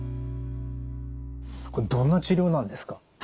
これどんな治療なんですか？